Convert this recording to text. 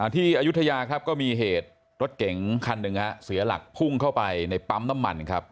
อายุทยาครับก็มีเหตุรถเก๋งคันหนึ่งเสียหลักพุ่งเข้าไปในปั๊มน้ำมันครับ